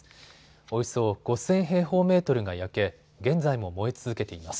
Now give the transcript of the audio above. およそ５０００平方メートルが焼け、現在も燃え続けています。